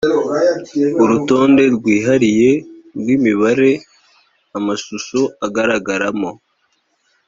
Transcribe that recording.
urutonde rwihariye rw imibare amashusho agaragara mo